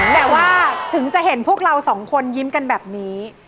แต่ว่าถึงจะเห็นพวกเราสองคนยิ้มกันแบบนี้